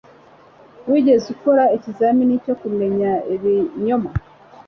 Wigeze ukora ikizamini cyo kumenya ibinyoma?